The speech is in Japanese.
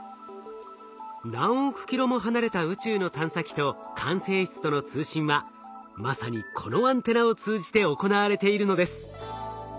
何億キロも離れた宇宙の探査機と管制室との通信はまさにこのアンテナを通じて行われているのです。